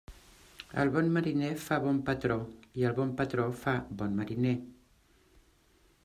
El bon mariner fa bon patró i el bon patró fa bon mariner.